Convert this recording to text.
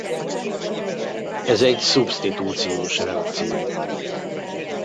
Ez egy szubsztitúciós reakció.